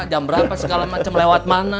jam berapa segala macam lewat mana